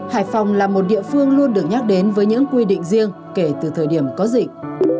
hải phòng là một địa phương luôn được nhắc đến với những quy định riêng kể từ thời điểm có dịch